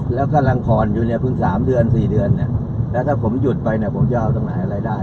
แล้วกำลังผ่อนอยู่เนี่ยเพิ่ง๓เดือน๔เดือนเนี่ยแล้วถ้าผมหยุดไปเนี่ยผมจะเอาตรงไหนอะไรได้